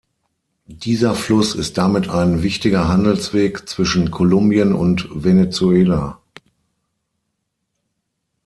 Dieser Fluss ist damit ein wichtiger Handelsweg zwischen Kolumbien und Venezuela.